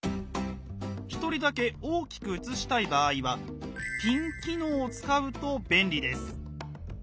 １人だけ大きく映したい場合は「ピン」機能を使うと便利です。